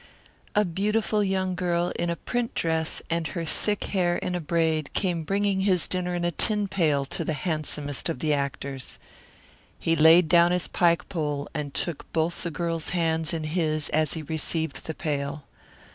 A beautiful young girl in a print dress and her thick hair in a braid came bringing his dinner in a tin pail to the handsomest of the actors. He laid down his pike pole and took both the girl's hands in his as he received the pail.